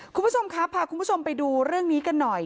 คุณผู้ชมครับพาคุณผู้ชมไปดูเรื่องนี้กันหน่อย